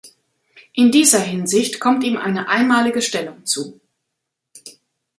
In dieser Hinsicht kommt ihm eine einmalige Stellung zu.